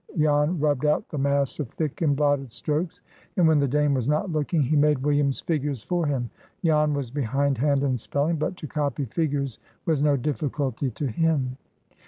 Jan rubbed out the mass of thick and blotted strokes, and when the Dame was not looking, he made William's figures for him. Jan was behindhand in spelling, but to copy figures was no difficulty to him.